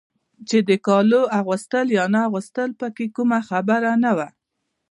چې د کالو اغوستل یا نه اغوستل پکې کومه خبره نه وای.